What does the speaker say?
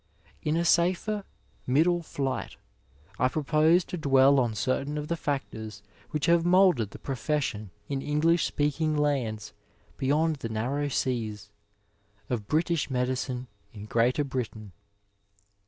In a safer ^* middle flight " I propose to dwell on certain of the factors which have moulded the pro fession in English speaking lands beyond the narrow seas — of British medicine in Greater Britain.